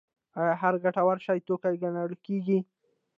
آیا هر ګټور شی توکی ګڼل کیږي؟